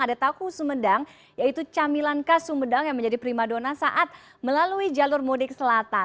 ada taku sumedang yaitu camilan kas sumedang yang menjadi primadona saat melalui jalur mudik selatan